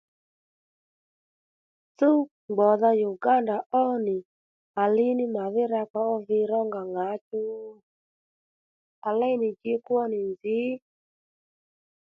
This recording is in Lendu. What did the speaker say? Tsúw gbòdha Uganda ó nì à lí ní màdhí rakpa ó vi ronga ŋǎchú à léy nì ji kwó nì nzǐ